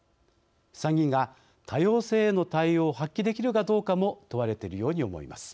参議院が多様性への対応を発揮できるかどうかも問われているように思います。